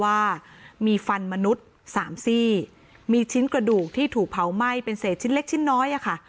ว่ามีฟันมนุษย์สามซี่มีชิ้นกระดูกที่ถูกเผาไหม้เป็นเศษชิ้นเล็กชิ้นน้อยอะค่ะ